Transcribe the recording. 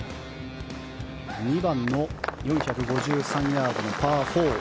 ２番の４５３ヤードのパー４。